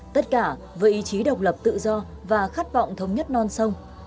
tất cả với ý chí độc lập tự do và khát vọng thống nhất non sông